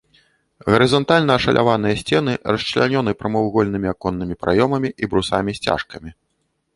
Гарызантальна ашаляваныя сцены расчлянёны прамавугольнымі аконнымі праёмамі і брусамі-сцяжкамі.